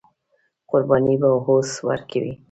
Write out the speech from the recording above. قرباني به اوس ورکوي.